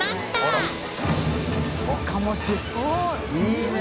いいね。